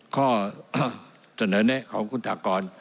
ข้อเสนอของคุณทากร